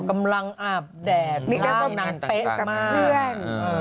อ๋อกำลังอาบแดดล้าวนางเป๊ะกับเพื่อน